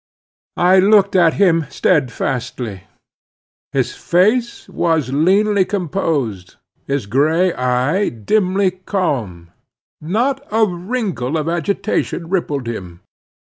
I looked at him steadfastly. His face was leanly composed; his gray eye dimly calm. Not a wrinkle of agitation rippled him.